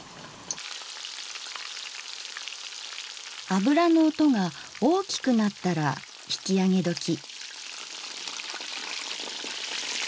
油の音が大きくなったら引き上げどき。